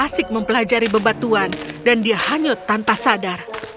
axel asyik mempelajari bebatuan dan dia hanyut tanpa sadar